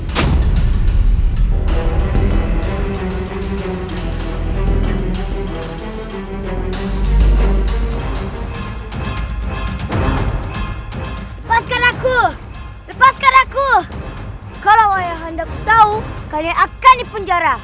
lepaskan aku lepaskan aku kalau ayah anda tahu kalian akan dipenjara